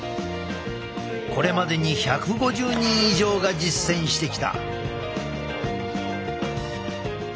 これまでに１５０人以上が実践してきた。